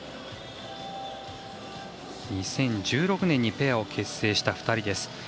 ２０１６年にペアを結成した２人です。